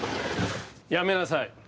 やめなさい。